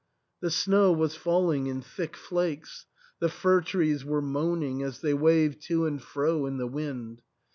The snow was falling in thick flakes ; the fir trees were moaning as they waved to and fro in the wind.